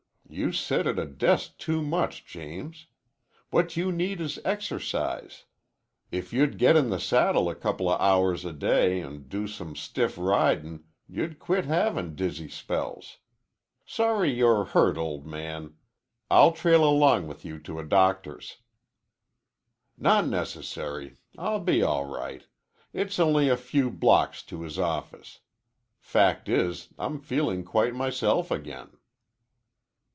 You sit at a desk too much, James. What you need is exercise. If you'd get in the saddle a couple o' hours a day an' do some stiff ridin' you'd quit havin' dizzy spells. Sorry you're hurt, old man. I'll trail along with you to a doctor's." "Not necessary. I'll be all right. It's only a few blocks to his office. Fact is, I'm feeling quite myself again."